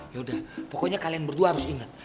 yaudah pokoknya kalian berdua harus ingat